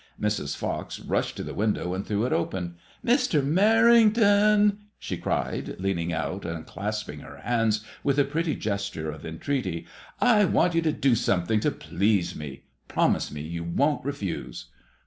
Mrs. Fox rushed to the window and threw it open. " Mr. Merrington," she cried, leaning out and clasping her hands with a pretty gesture of entreaty, " I want you to do something to please me. Promise me you won't refuse."